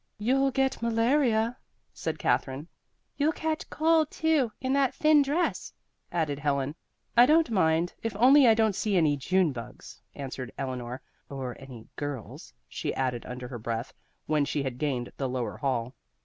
"You'll get malaria," said Katherine. "You'll catch cold, too, in that thin dress," added Helen. "I don't mind, if only I don't see any June bugs," answered Eleanor, "or any girls," she added under her breath, when she had gained the lower hall.